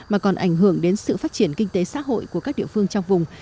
mà còn ảnh hưởng đến sự phát triển kinh tế xã hội của các địa phương trong vùng